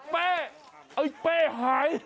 เป้ไอ้เป้หาย